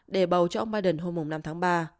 để bầu cho ông biden hôm năm tháng ba